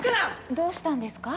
どうしたんですか？